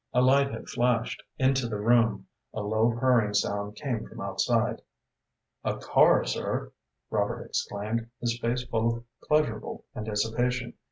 A light had flashed into the room, a low, purring sound came from outside. "A car, sir!" Robert exclaimed, his face full of pleasurable anticipation.